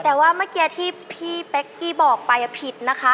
แต่ว่าเมื่อกี้ที่พี่เป๊กกี้บอกไปผิดนะคะ